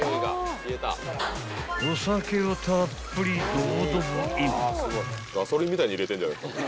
［お酒をたっぷりドボドボイン］